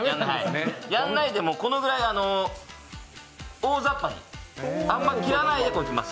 やんないで、このぐらい大ざっぱにあまり切らないでとじます。